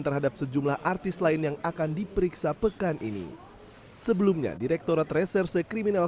terhadap sejumlah artis lain yang akan diperiksa pekan ini sebelumnya direkturat reserse kriminal